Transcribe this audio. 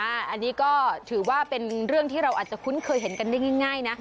อันนี้ก็ถือว่าเป็นเรื่องที่เราอาจจะคุ้นเคยเห็นกันได้ง่ายนะ